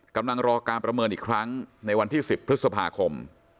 กำลังรอการประเมินอีกครั้งในวันที่๑๐พฤษภาคม